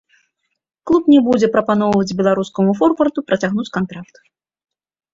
Клуб не будзе прапаноўваць беларускаму форварду працягнуць кантракт.